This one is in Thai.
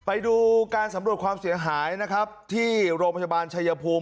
ไปดูการสำรวจความเสียหายนะครับที่โรงพยาบาลชายภูมิ